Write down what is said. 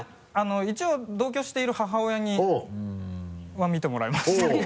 一応同居している母親には見てもらいましたけど